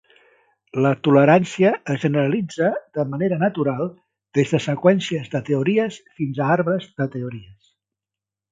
La tolerància es generalitza de manera natural des de seqüències de teories fins a arbres de teories.